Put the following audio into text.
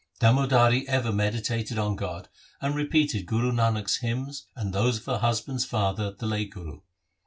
Damodari ever meditated on God and repeated Guru Nanak's hymns and those of her husband's father the late Guru.